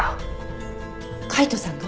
海斗さんが？